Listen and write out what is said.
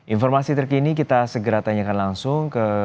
informasi terkini kita segera tanyakan langsung ke